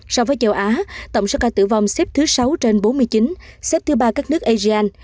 so với châu á tổng số ca tử vong xếp thứ sáu trên bốn mươi chín xếp thứ ba các nước asean